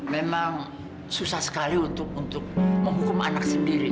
memang susah sekali untuk menghukum anak sendiri